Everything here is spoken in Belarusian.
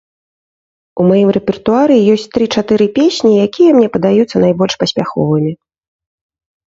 У маім рэпертуары ёсць тры-чатыры песні, якія мне падаюцца найбольш паспяховымі.